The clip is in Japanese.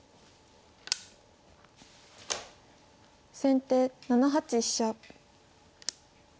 先手７八飛車。